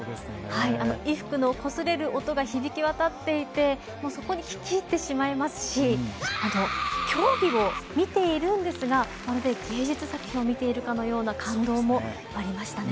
衣服のこすれる音が響き渡っていてそこに聞き入ってしまいますし競技を見ているんですがまるで芸術作品を見ているような感動もありましたね。